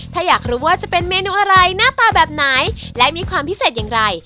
ถ้าอยากรู้ว่าจะเป็นเมนูอะไรหน้าตาแบบไหนและมีความพิเศษอย่างไร